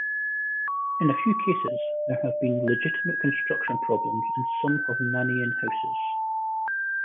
In a few cases, there have been legitimate construction problems in some Hovnanian houses.